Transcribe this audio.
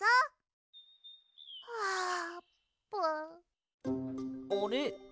あれ？